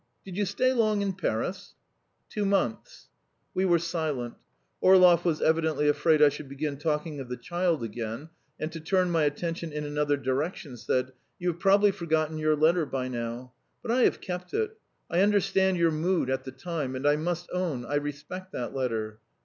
Did you stay long in Paris?" "Two months." We were silent. Orlov was evidently afraid I should begin talking of the child again, and to turn my attention in another direction, said: "You have probably forgotten your letter by now. But I have kept it. I understand your mood at the time, and, I must own, I respect that letter.